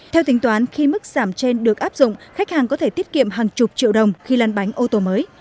theo tính toán khi mức giảm trên được áp dụng khách hàng có thể tiết kiệm hàng chục triệu đồng khi lăn bánh ô tô mới